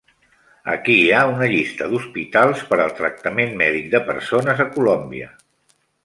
Aquí hi ha una llista d'hospitals per al tractament mèdic de persones a Colombia.